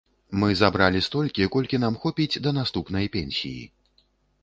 Мы забралі столькі, колькі нам хопіць да наступнай пенсіі.